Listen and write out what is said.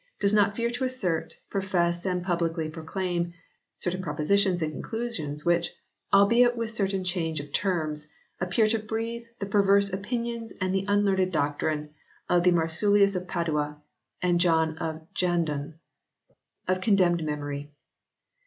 does not fear to assert, profess and publicly proclaim certain propositions and conclusions which (albeit with certain change of terms) appear to breathe the perverse opinions and the unlearned doctrine of Marsilius of Padua and John of Jandun, of condemned memory."